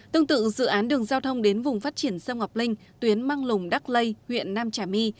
tương tự dự án đường giao thông đến vùng phát triển sông ngọc linh tuyến mang lùng đắc lây huyện nam trà my